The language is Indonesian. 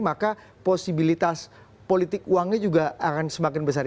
maka posibilitas politik uangnya juga akan semakin besar